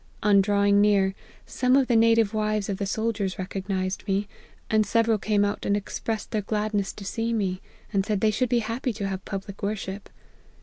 On drawing near, some of the native wives of the soldiers recognized me, and several came out and expressed their gladness to see me, and said they should be happy to have public worship.